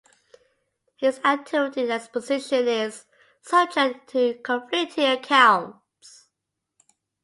His activity at this position is subject to conflicting accounts.